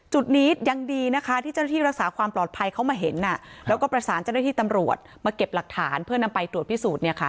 จุดนี้ยังดีนะคะที่เจ้าหน้าที่รักษาความปลอดภัยเขามาเห็นแล้วก็ประสานเจ้าหน้าที่ตำรวจมาเก็บหลักฐานเพื่อนำไปตรวจพิสูจน์